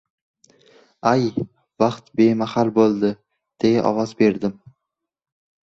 — Ay, vaqt bemahal bo‘ldi! — deya ovoz berdim.